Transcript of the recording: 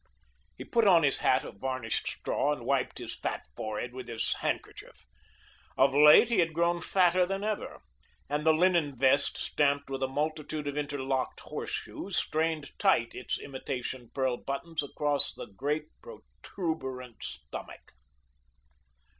He put on his hat of varnished straw and wiped his fat forehead with his handkerchief. Of late, he had grown fatter than ever, and the linen vest, stamped with a multitude of interlocked horseshoes, strained tight its imitation pearl buttons across the great protuberant stomach.